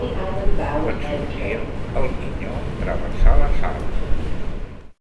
Quan sortíem, el minyó travessà la sala